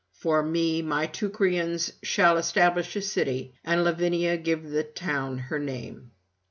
For me my Teucrians shall establish a city, and Lavinia give the town her name.'